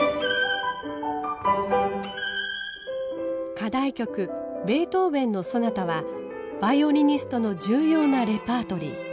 課題曲ベートーベンの「ソナタ」はバイオリニストの重要なレパートリー。